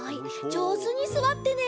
じょうずにすわってね！